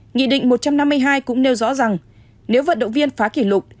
nghị định một trăm năm mươi hai cũng nêu rõ rằng nếu vận động viên phá kỷ lục